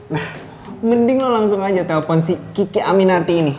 nah mending lo langsung aja telpon si kiki aminarti ini